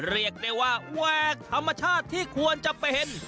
เรียกได้ว่าแหวกธรรมชาติที่ควรจะเป็น